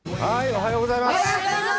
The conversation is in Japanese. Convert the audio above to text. おはようございます。